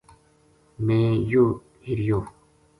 میں یوہ ہِریو